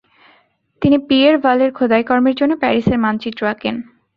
তিনি পিয়ের ভালে-র খোদাইকর্মের জন্য প্যারিসের মানচিত্র আঁকেন।